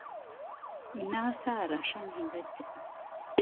އިނާސާ ރަށަށް ހިނގައްޖެ